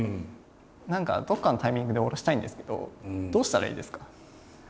何かどっかのタイミングで降ろしたいんですけどどうしたらいいんですか？